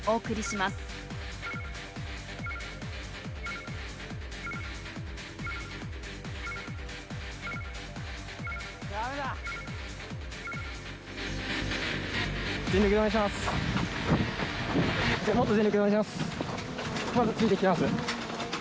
まだついてきてます。